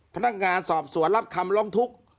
พนักงานสอบสวนรับคำร้องทุกข์